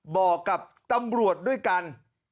บอกกับตำรวจด้วยกัน